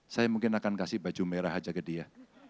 saya mungkin akan kasih baju merah aja ke dia